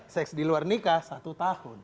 seks di luar nikah satu tahun